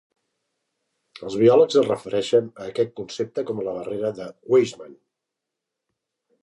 Els biòlegs es referixen a aquest concepte com la barrera de Weismann.